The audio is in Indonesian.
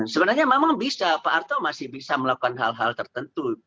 sebenarnya memang bisa pak arto masih bisa melakukan hal hal tertentu